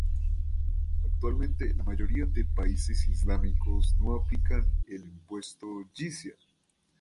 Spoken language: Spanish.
Actualmente la mayoría de países islámicos no aplican el impuesto yizia.